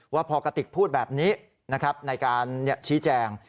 ว่าพอกติกพูดแบบนี้นะครับในการชี้แจง